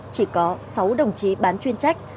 chỉ có sáu đồng chí bán chuyên trách